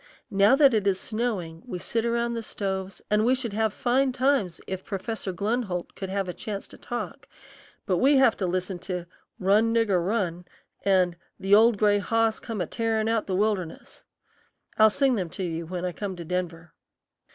Now that it is snowing, we sit around the stoves, and we should have fine times if Professor Glenholdt could have a chance to talk; but we have to listen to "Run, Nigger, Run" and "The Old Gray Hoss Come A tearin' Out The Wilderness." I'll sing them to you when I come to Denver.